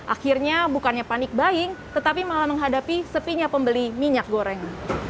akhirnya bukannya panik buying tetapi malah menghadapi sepinya pembeli minyak goreng